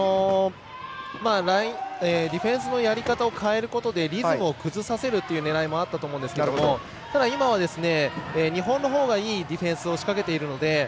ディフェンスのやり方を変えることでリズムを崩させるという狙いもあったと思うんですけどただ、今は日本のほうがいいディフェンスを仕掛けているので。